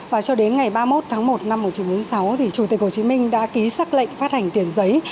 và cho đến ngày ba mươi một tháng một năm một nghìn chín trăm bốn mươi sáu chủ tịch hồ chí minh đã ký xác lệnh phát hành tiền giấy